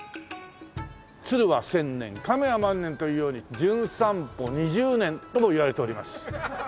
鶴は千年亀は万年というように『じゅん散歩』２０年ともいわれております。